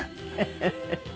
フフフ！